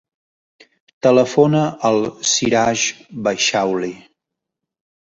Telefona al Siraj Baixauli.